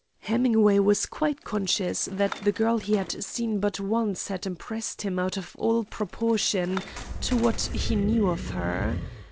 Hemingway was quite conscious that the girl he had seen but once had impressed him out of all proportion to what he knew of her.